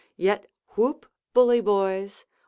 Yet whoop, bully boys!